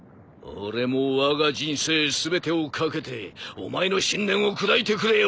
俺もわが人生全てを懸けてお前の信念を砕いてくれよう。